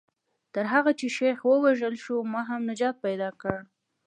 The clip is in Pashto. تر هغه چې شیخ ووژل شو ما هم نجات پیدا کړ.